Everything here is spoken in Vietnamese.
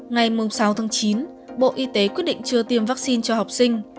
ngày sáu chín bộ y tế quyết định chưa tiêm vaccine cho học sinh